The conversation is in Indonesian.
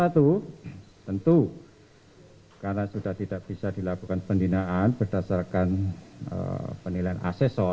lima puluh satu tentu karena sudah tidak bisa dilakukan pendinaan berdasarkan penilaian asesor